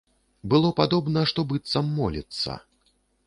Было падобна, што быццам моліцца.